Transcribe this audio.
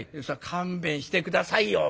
「勘弁して下さいよ。